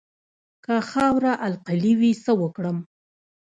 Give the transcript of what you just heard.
که خاوره القلي وي څه وکړم؟